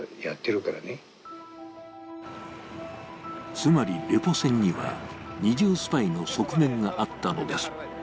つまり、レポ船には二重スパイの側面があったのです。